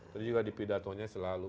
terus juga di pidato nya selalu